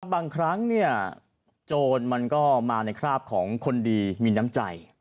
บางครั้งโจรมันก็มาในคราบของคนดีมีน้ำใจ